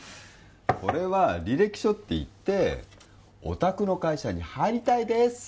これは履歴書っていっておたくの会社に入りたいです！